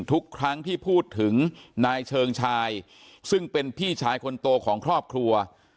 ทุกครั้งที่พูดถึงนายเชิงชายซึ่งเป็นพี่ชายคนโตของครอบครัว